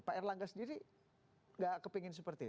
pak erlangga sendiri nggak kepingin seperti itu